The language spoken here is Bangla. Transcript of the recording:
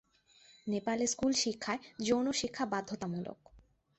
নেপালে স্কুল শিক্ষায় যৌন শিক্ষা বাধ্যতামূলক।